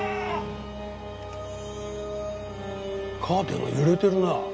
カーテンが揺れてるな。